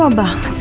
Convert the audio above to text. om oya gak liat